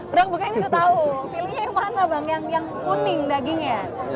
udah kebuka gini tau pilihnya yang mana bang yang kuning dagingnya